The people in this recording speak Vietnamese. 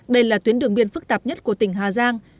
đây là tuyến đường biên phức tạp nhất của tỉnh hà giang